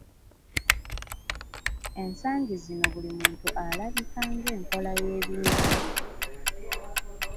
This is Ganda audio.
Ensangi zino buli muntu alabika ng’enkola y’ebintu bye.